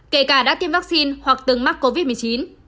kể cả đã tiêm vaccine hoặc từng mắc covid một mươi chín